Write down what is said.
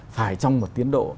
phải trong một tiến độ